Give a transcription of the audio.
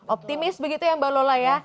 optimis begitu ya mbak lola ya